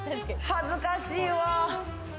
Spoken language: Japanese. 恥ずかしいわ。